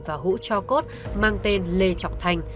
và hũ cho cốt mang tên lê trọng thành